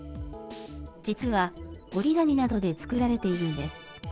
実は折り紙などで作られているんです。